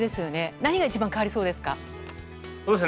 何が一番変わりそうですか？